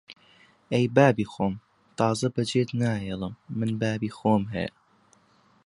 ئەی بابی خۆم! تازە بەجێت نایەڵم! من بابی خۆم هەیە!